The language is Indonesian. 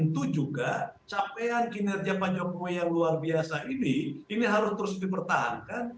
dan tentu juga capaian kinerja pak jokowi yang luar biasa ini harus terus dipertahankan